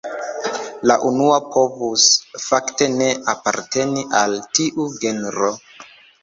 La unua povus fakte ne aparteni al tiu genro.